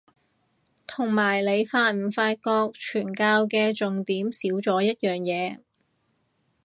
同埋你發唔發覺傳教嘅重點少咗一樣嘢